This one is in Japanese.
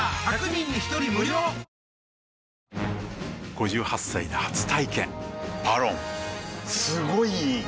５８歳で初体験「ＶＡＲＯＮ」すごい良い！